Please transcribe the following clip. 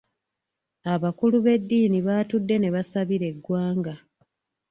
Abakulu b’eddiini baatudde ne basabira eggwanga.